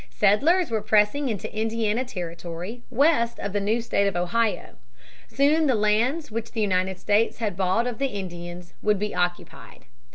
Settlers were pressing into Indiana Territory west of the new state of Ohio. Soon the lands which the United States had bought of the Indians would be occupied.